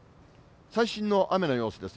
最新の雨の様子です。